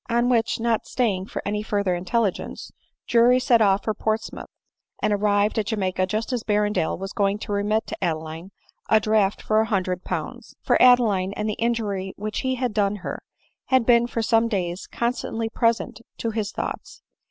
Qja which, not staying for any further intelligence, Drury set off for Portsmouth, and arrived at Jamaica just as Berrendale was going to remit to Adeline a draft for a hundred pounds. For Adeline, and the injury which he had done her, had been for some days con stantly present to his thoughts.